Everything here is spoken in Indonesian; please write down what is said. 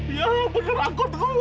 ya bener angkot gue